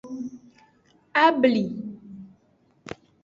Agbli.